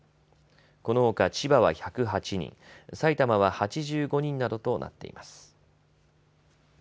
このほか千葉は１０８人、埼玉は８５人などとなっています。